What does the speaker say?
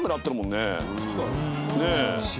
ねえ。